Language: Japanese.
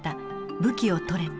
武器を取れ！」と。